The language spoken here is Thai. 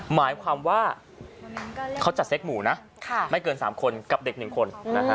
หมายความว่าเขาจัดเซ็กหมู่นะไม่เกิน๓คนกับเด็ก๑คน